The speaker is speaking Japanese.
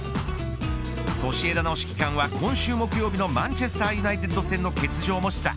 ソシエダの指揮官は今週木曜日のマンチェスター・ユナイテッド戦の欠場も示唆。